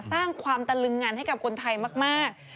สร้างความตะลึงงันให้กับคนไทยมาก